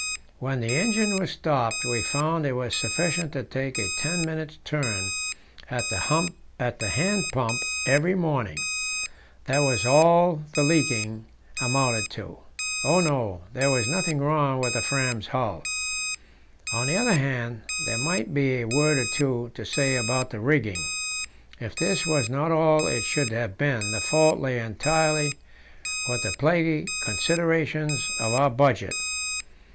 When the engine was stopped, we found it was sufficient to take a ten minutes' turn at the hand pump every morning; that was all the "leaking" amounted to. Oh no! there was nothing wrong with the Fram's hull. On the other hand, there might be a word or two to say about the rigging; if this was not all it should have been, the fault lay entirely with the plaguy considerations of our budget.